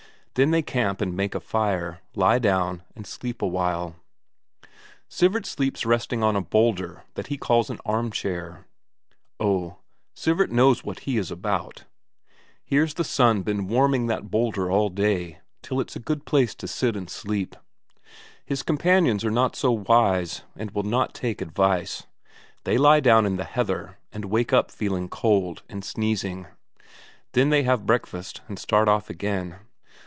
Then they camp and make a fire, lie down, and sleep a while. Sivert sleeps resting on a boulder that he calls an arm chair. Oh, Sivert knows what he is about; here's the sun been warming that boulder all day, till it's a good place to sit and sleep. His companions are not so wise, and will not take advice; they lie down in the heather, and wake up feeling cold, and sneezing. Then they have breakfast and start off again.